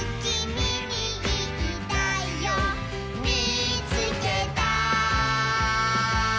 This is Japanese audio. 「みいつけた」